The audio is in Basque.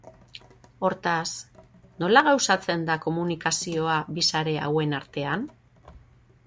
Hortaz, nola gauzatzen da komunikazioa bi sare hauen artean?